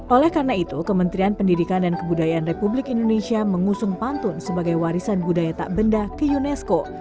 oleh karena itu kementerian pendidikan dan kebudayaan republik indonesia mengusung pantun sebagai warisan budaya tak benda ke unesco